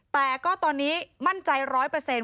แต่ก็ตอนนี้มั่นใจร้อยเปอร์เซ็นต